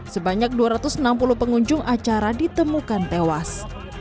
sebanyak dua ratus enam puluh pengunjung acara ditemukan tewas